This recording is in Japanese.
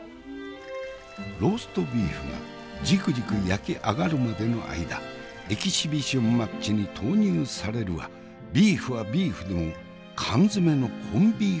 ローストビーフがジクジク焼き上がるまでの間エキシビションマッチに投入されるはビーフはビーフでも缶詰のコンビーフ選手。